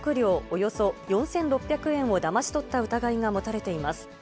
およそ４６００円をだまし取った疑いが持たれています。